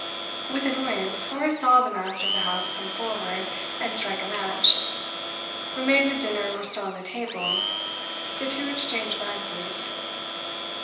With annoyance, Horace saw the master of the house come forward, and strike a match. Remains of dinner were still on the table. The two exchanged glances.